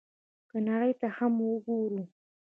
که نړۍ ته هم وګورو،